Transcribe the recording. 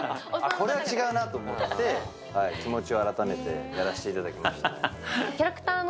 これは違うなと思って気持ちを改めてやらせていただきました。